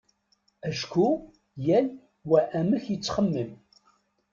Acku yal wa amek yettxemmim.